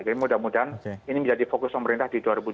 jadi mudah mudahan ini menjadi fokus pemerintah di dua ribu dua puluh satu